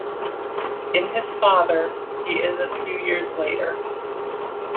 In his father, he is a few years later.